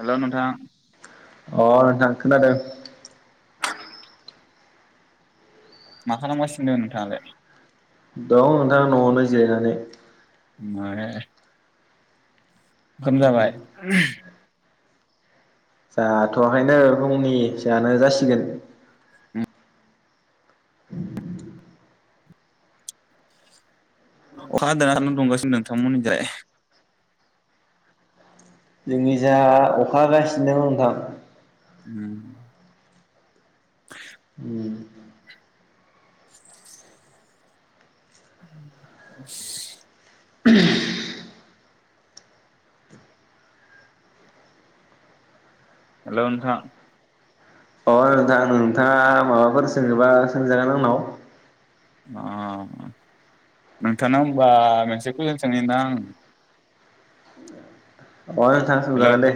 Hello नोंथां। अ नोंथां खोनादों। मा खालामगासिनो नोंथाङालाय? दं नोंथां न'आवनो जिरायनानै। मानो? ओंखाम जाबाय? जाथ'आखैयनो फुंनि जानो जासिगोन। उ [inaudible] अखा हादोंना सान्दुं दुंगासिनो नोंथांमोन जाय जोंनि जा अखा गासिनो दों नोंथां [inaudible] [inaudible] [inaudible] [inaudible] हेलौ नोंथां अ नोंथां नोंथाङा माबाफोर सोंङोबा सोंजागोन आंनाव आ नोंथांनाव होनबा मोनसे कुयनस सोंनि नोंथां अ नोंथां हेलौ सोंजागोन दे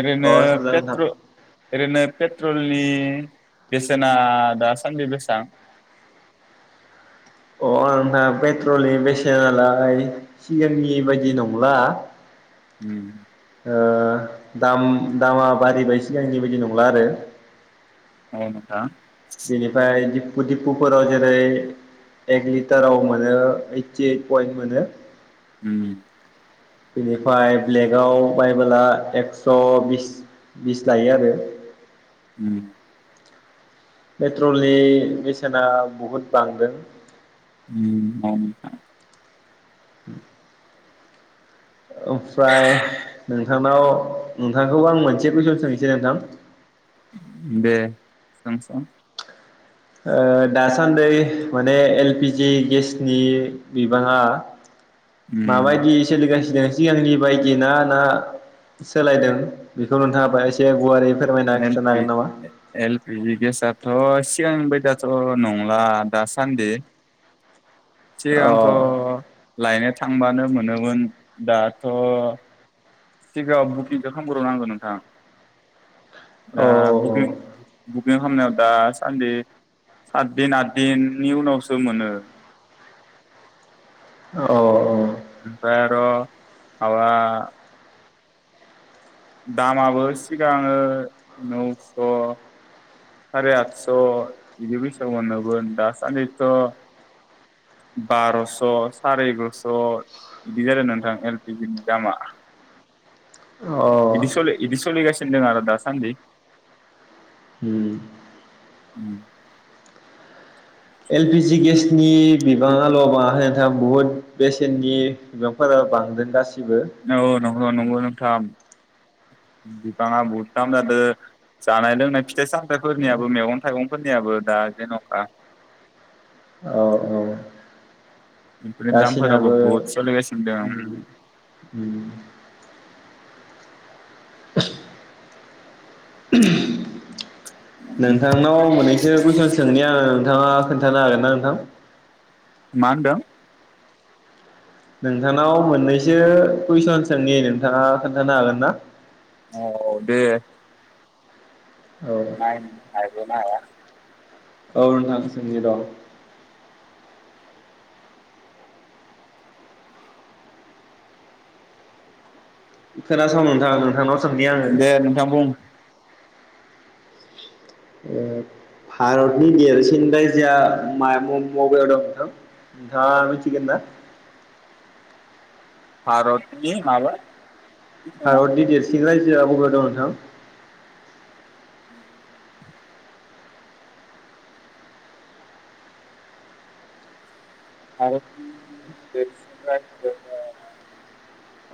ओरैनो अ सोंजागोन नोंथां पेट्र'ओरैनो पे ट्रलनि बेसेना दासान्दि बेसां अ नोथांआ पेट्रलनि बेसे नालाय सिगांनि बायदि नंला अम ओ दाम दामा बारि बाय सिगां बेबायदि नंला आरो। औ नोंथां बिनिफ्राय दि फुफोराव जेरै एक लिटाराव मोनो ओइटि ओइट पइन्ट मोनो अम बेनिफ्राय ब्लेकआव बायबोला एक स' बिस-बिस लायो आरो। अम पेट्रलनि बेसेना बहुद बांदों अम [inaudible] ओमफ्राय नोंथांनाव नोंथांखौ आं मोनसे कुयसन सोंनोसै नोंथां दे सोंसन ओ दासान्दै माने एल पि जि गेसनि बिबाङा माबायदियै सोलिगा सिगांनि बायदि ना-ना सोलायदों बेखौ नोंथाङा बाय एसे गुवारै फोरमायना एल खिन्थानो पि हागोन नामा? एल पि जि गेसथ' सिगां बाय दि थ' नंला दा सान्दि अ सिगांथ' लायनो थांबानो मो नोमोन दाथ' सिगाङाव बुकिंखो खामग्रो नांगौ नोंथां । औ दा बुकिं-बुकिं खामनायाव दा सान्दि सातदिन आत दिननि उनावसो मोनो। औ औ ओमफ्राय [unintelligible] दामाबो सिगांङो नौस' सारि आथस' बिदि [unintelligible] दासान्दिथ' बार'स' साराय एगारस' बिदि जादों नोंथां एलपिजि नि दामा औ औ इदिसलि इदिस'लि गासिनो दों आरो दासान्दि होम । [inaudible] एलपिजि गेसनि बिबाङाल' बाङाखै नोंथां बुहुद बेसेननि बिबांफोरा बांदों गासिबो औ औ नंगौ नंगौ नोंथां । [unintelligible] बुहुद दाम जादों जानाय लोंनाय फिथाइ सामथायफोरनियाबो मैगं थाइगं फोरनियाबो दा जेन'खा औ औ । बेफोरनि दामफोराबो गासिनाबो बहुद सोलिगासिनो उम दं उम । [unintelligible] नोंथांनाव मोननैसो कुइसन सोंनि आं नोंथाङा खोन्थानो हागोन ना नोंथां? मा होनदों? नोंथांनाव मोननैसो कुइसन सोंनि नोंथाङा खोन्थानो हागोन ना? औ दे । औ नायनि‌ हायोना‌ हाया । औ नोंथां सोंनि र' खोनासं नोंथाङा नोंथांनाव सोंनि आङो दे नोंथां बुं । ओ भारतनि देरसिन रायजोआ मा बब बेयाव दं नोंथां नोंथाङा मिथिगोन ना? भारतनि मामोन? भारतनि देरसिन सिन‌ रायजोआ बबेयाव दं नोंथां? [inaudible] आरो [unintelligible]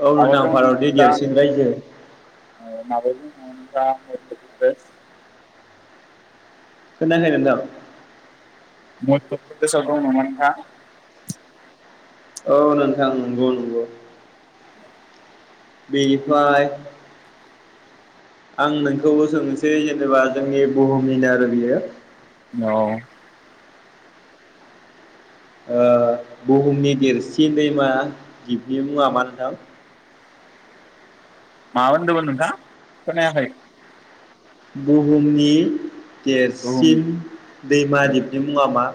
औ [unintelligible] भारतनि देरसिन रायजो [unintelligible] खोनायाखै नोंथां । मध्य [inaudible] प्रदेशाव [inaudible] दं नामा नोंथां । औ नोंथां नंगौ नंगौ । बेनिफ्राय आं नोंखौबो सोंनोसै जेनेबा जोंनि बुहुमनिनो आरो बियो औ । ओ बुहुमनि देरसिन दैमा दिबनि मुङा मा नोंथां? मा होनदोमोन नोंथां खोनायाखै? बुहुमनि बुहुम देरसिन दैमा दिबनि मुङा मा?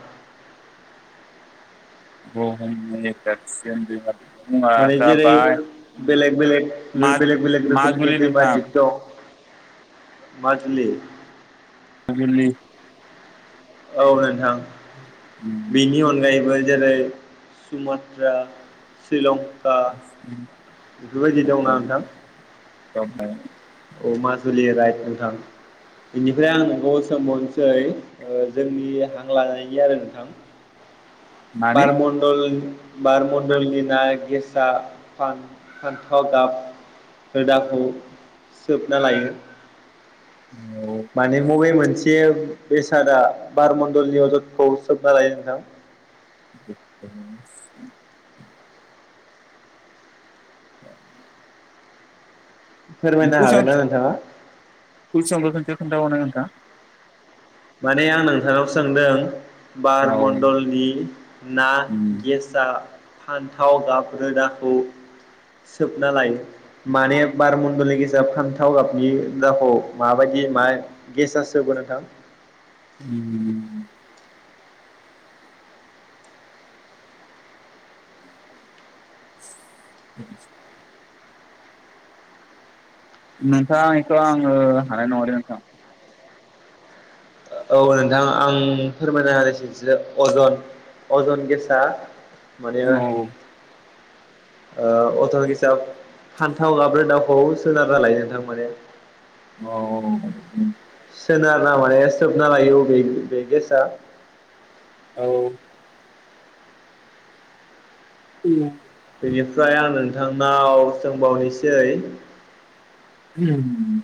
[unintelligible] माने जाबाय जेरै- बेलेग बेलेग माग बेलेग बेलेग रोखोमनि माजुलि दैमा नोंथां दिप दं माजुलि माजुलि औ नोंथां बिनि अनगायैबो जेरै सुमत्रा शिलं बा बेफोरबायदि दंना नोंथां [unintelligible] औ माजुलि राइट नोंथां बेनिफ्राय आं नोंखौ सोंबावनोसै जोंनि हां लानायनि आरो नोंथां माने बारमण्डल बार मनण्डलनिना गेसा फान फान्थाव गाब होदाखौ सोबना लायो। माने मबे मोन से बेसादा बारमण्डलनि अजदखौ सोबना लायो नोंथां? [unintelligible] [inaudible] फोरमायनो कुइसन हागोन ना नोंथाङा? खोनथाबावनांगोनदा माने आं नोंथांनाव सोंदों औ बारमण्डलनि ना गेसआ फान्थाव गाब रोदाखौ सोबना लायो माने बार मण्डलनि गेसा फान्थाव गाबनि रोदाखौ माबायदि मा गेसा सोबो नोंथां? उम [inaudible] नोंथाङा इखो आङो हानाय नङालै नोंथां। औ नोंथां आं फोरमायना होनोसै अजन अजन गेसआ माने ओ औ ओ अथल किसाब फान्थाव गाब रोदाखौ सोनारना लायो नोंथां माने। अ ओम सोनारना लाया सोबना लायो अ बे बे गेसा औ उम बिनिफ्राय आं नों थांनाव सोंबावनिसै होम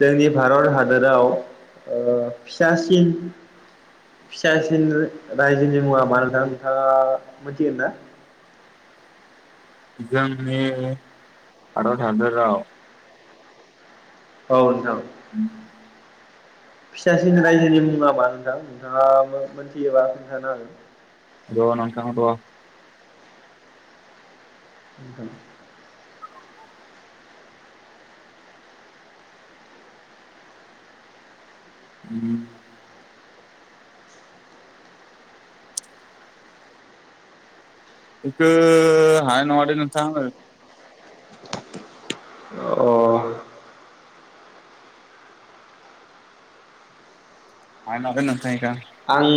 जोंनि भारत हादोराव ओ फिसासिन फिसासिन रायजोनि मुङा मा नोंथां नोंथाङा मोनथिगोन ना? जोंनि भारत हादराव औ नोंथां [unintelligible] फिसासिन रायजोनि मुङा मा नोंथां नोंथाङा मो-मोनथियोबा खोनथानो हागोन। र' नोंथां र' [inaudible] [unintelligible] इखो‌ हानाय नङा‌ दे नोंथां [unintelligible] [unintelligible] [unintelligible] आं।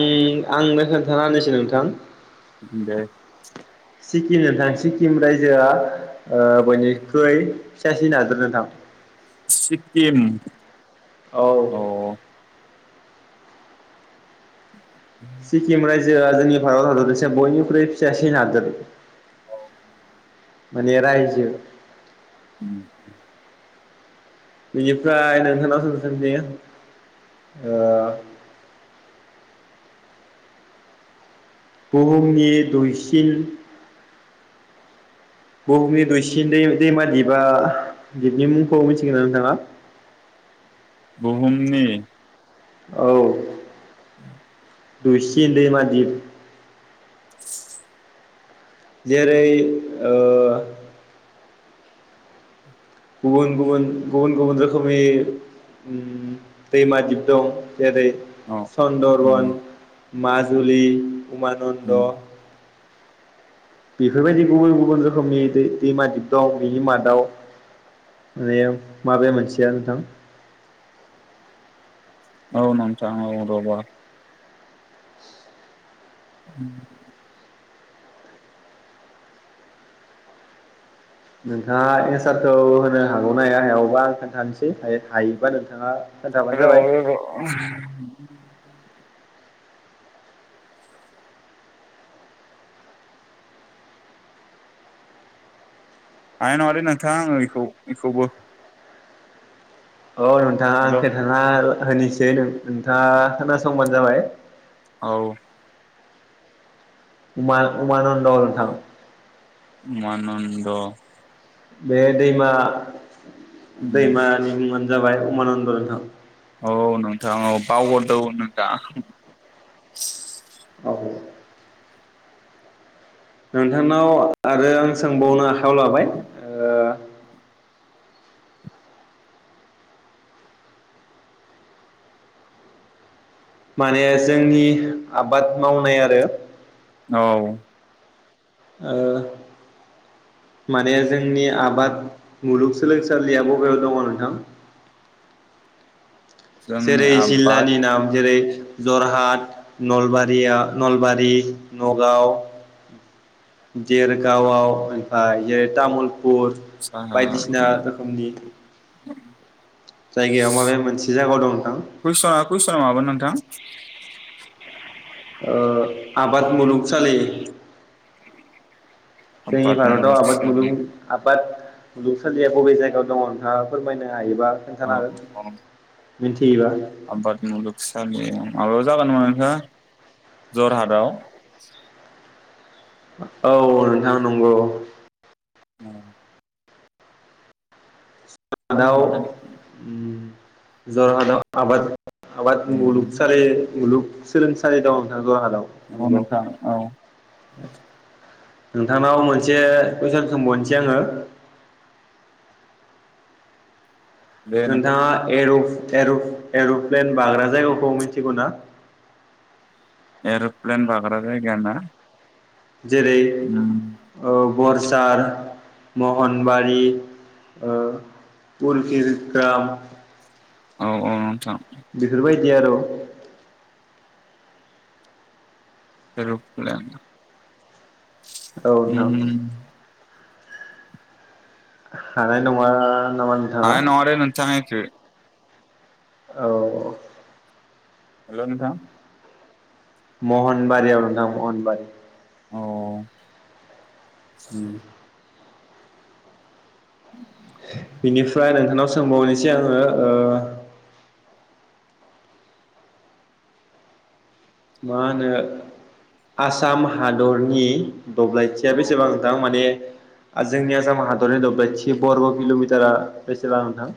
आंनो खोन्थाना होनिसै नोंथां‌ । दे। सिक्किम नोंथां सिक्किम रायजोआ ओ बयनिख्रुइ फिसासिन हादोर नोंथां । सिक्किम। औ। अ सिक्किम रायजोआ जोंनि भारत हादरनि [unintelligible] बयनिख्रुइ फिसासिन हादोर । मानि रायजो। उं बिनिफ्राय नोंथानाव सों सां दे ओ बुहुमनि दुइसिन। बुहुमनि दुइसिन दै-दैमा दिपआ दिपनि मुंखौ मिथिगौ ना नोंथाङा? बुहुमनि औ। [unintelligible] दुइसिन दैमा‌ दीप‌। जेरै ओ गुबुन गुबुन गुबुन गुबुन रोखोमनि उम दैमा दिप दं । जेरै अ उम सन्दरबन। माजुलि। उमानन्द। उम बेफोरबायदि गुबुन गुबुन रोखोमनि दै दैमा दिप दं बिनि मादाव माने माबे मोनसेया नोंथां? औ नोथां औ [unintelligible] [inaudible] नोंथाङा एन्सारखौ होनो हागौना हाया हायावबा आं खोन्थानोसै हायो‌ हायोबा नोंथाङा खोन्थाबानो र जाबाय र' [inaudible] हानाय नङालै नोंथां आङो इखौ इखौबो। औ नोंथां आं हेल' खोन्थाना होनिसै नों-नोंथाङा खोनासंबानो जाबाय। औ। उमा-उमानन्द नोंथां । उमानन्द। बे दैमा उम दैमानि मुङा नो जाबाय उमानन्द नोंथां। औ नोंथां औ बावगरदो औ [unintelligible] औ। नोंथांनाव आरो सोंबावनो आखायाव लाबाय ओ माने जोंनि आबाद मावनाय आरो ओव ओ माने जोंनि आबाद मुलुगसोलों सालिया बबेयाव दंङ नोंथां? जेरै जोंनि आबाद जिल्लानि नाम जेरै जरहाट नलबारिया नलबा रि नगाव, देरगावआव ओमफाय जेरै तामुल पुर साहा बायदिसिना रोखोमनि जायगायाव माबे मोनसे जायगायाव दं नोंथां? कुइसना कुइसना मामोन नोंथां [inaudible] ओ आबाद मुलुग सालि जोंनि आबाद भारताव मुलुग आबाद मुलुग सोलों आ बाद मुलुगसालिया बबे जायगायाव दंङ नोंथांङा फोरमायनो हायोबा खोन्थाना औ हो औ मिनथ आबाद मुलुगसालि माबायाव जागोन नामा नोंथां जरहाटआव ओ औ नोंथां नंगौ। ओ दाव ओम जरहादाव आबाद आबाद मुलुग सालि मुलुग सोलोंसालि दं नोंथां। जरहाटाव औ नंगौ नोंथां औ नोंथांनाव मोनसे कुइसन सोंबावनोसै आंङो। बे नोंथां नोंथांङा एरुप एरप-एरु'प्लेन बाग्रा जायगाखौ मिथिगौ ना? एर'प्लेन बाग्रा जायगाया ना? जेरै उम ओ बरसार, महनबारि ओ उर्किजुकाम औ औ नोंथां। दि आरौ एरु'फ्लेन औ नोंथां। हानाय नंङा हानाय नंङा दै नोंथां एखौ औ। हेलौ नोंथां। महनबारियाव नोंथां महनबारि। औ। उम। [inaudible] बिनिफ्राय नोंथांनाव सोंबावनोसै आङो ओ मा होनो आसाम हादरनि दब्लायथिया औ बेसेबां नोंथां माने आरो जोंनि आसामा हादरनि दब्लायथि बरग' किल'मिटारा बेसेबां नोंथां?